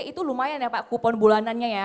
itu lumayan ya pak kupon bulanannya ya